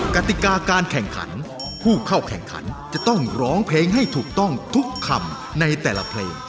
กติกาการแข่งขันผู้เข้าแข่งขันจะต้องร้องเพลงให้ถูกต้องทุกคำในแต่ละเพลง